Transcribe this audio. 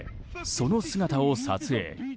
その姿を撮影。